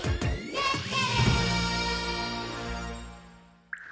やった！